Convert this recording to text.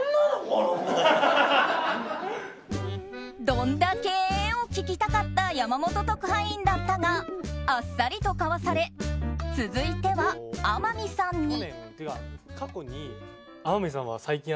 どんだけ！を聞きたかった山本特派員だったがあっさりとかわされ続いては、天海さんに。